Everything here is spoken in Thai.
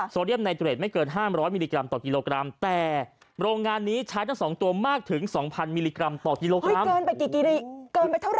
เกินไปเท่าไหร่เนี่ย